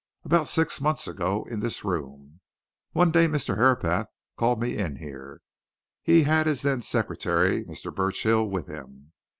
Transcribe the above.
About six months ago in this room. One day Mr. Herapath called me in here. He had his then secretary, Mr. Burchill, with him.